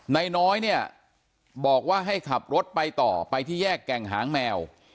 นายน้อยเนี่ยบอกว่าให้ขับรถไปต่อไปที่แยกแก่งหางแมว